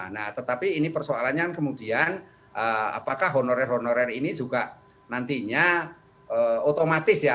nah tetapi ini persoalannya kemudian apakah honorer honorer ini juga nantinya otomatis ya